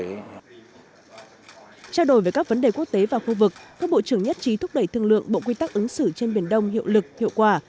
trao đổi về các vấn đề quốc tế và khu vực các bộ trưởng nhất trí thúc đẩy thương lượng bộ quy tắc ứng xử trên biển đông hiệu lực hiệu quả